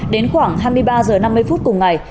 đến khoảng hai mươi ba h năm mươi phút cùng ngày